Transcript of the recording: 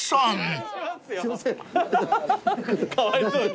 かわいそうに。